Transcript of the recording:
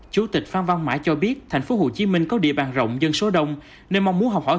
chủ tịch phan văn mãi cho biết tp hcm có địa bàn rộng dân số đông nên mong muốn học hỏi